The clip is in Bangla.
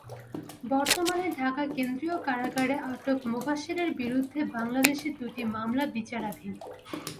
বর্তমানে ঢাকা কেন্দ্রীয় কারাগারে আটক মোবাশ্বেরের বিরুদ্ধে বাংলাদেশে দুটি মামলা বিচারাধীন।